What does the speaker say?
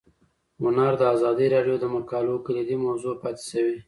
هنر د ازادي راډیو د مقالو کلیدي موضوع پاتې شوی.